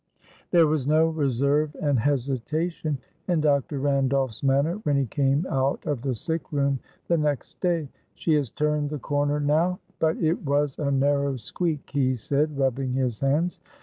There was no reserve and hesitation in Dr. Randolph's manner when he came out of the sick room the next day. "She has turned the corner now, but it was a narrow squeak," he said, rubbing his hands.